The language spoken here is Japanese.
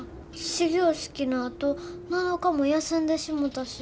始業式のあと７日も休んでしもたし。